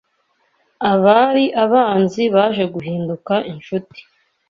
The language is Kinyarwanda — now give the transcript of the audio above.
Abari abanzi baje guhinduka inshuti